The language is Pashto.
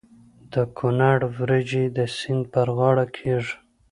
د کونړ وریجې د سیند په غاړه کیږي.